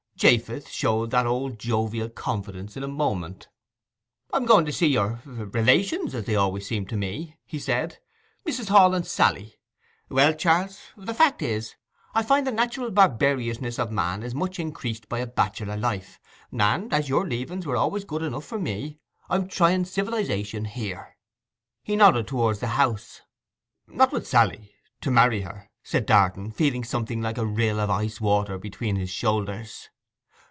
Japheth showed the old jovial confidence in a moment. 'I'm going to see your—relations—as they always seem to me,' he said—'Mrs. Hall and Sally. Well, Charles, the fact is I find the natural barbarousness of man is much increased by a bachelor life, and, as your leavings were always good enough for me, I'm trying civilization here.' He nodded towards the house. 'Not with Sally—to marry her?' said Darton, feeling something like a rill of ice water between his shoulders.